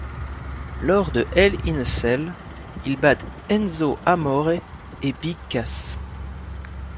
Lors de Hell in a Cell, ils battent Enzo Amore et Big Cass.